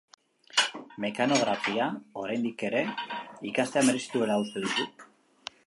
Mekanografia, oraindik ere, ikastea merezi duela uste duzu?